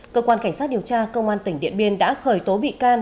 cơ quan cảnh sát điều tra công an tỉnh điện biên đã khởi tố bị can